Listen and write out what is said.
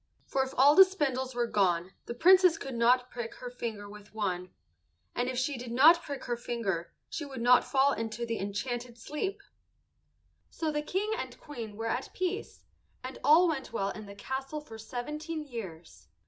For if all the spindles were gone the Princess could not prick her finger with one; and if she did not prick her finger she would not fall into the enchanted sleep. So the King and Queen were at peace, and all went well in the castle for seventeen years.